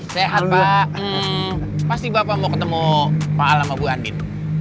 sehat pak pasti bapak mau ketemu pak ala sama bu andin